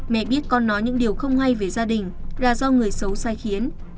mẹ biết con nói những điều không hay về gia đình là do người xấu sai khiến